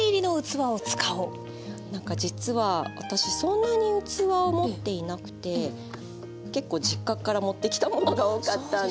なんか実は私そんなに器を持っていなくて結構実家から持ってきたものが多かったんで。